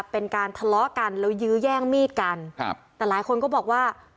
เป็นการทะเลาะกันแล้วยื้อแย่งมีดกันครับแต่หลายคนก็บอกว่า